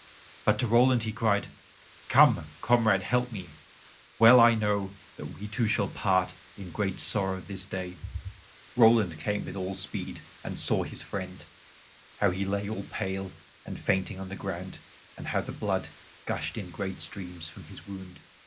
But to Roland he cried, "Come, comrade, help me; well I know that we two shall part in great sorrow this day." Roland came with all speed, and saw his friend, how he lay all pale and fainting on the ground and how the blood gushed in great streams from his wound.